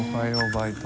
バイト」